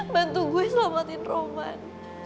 bantu gue selamatin roman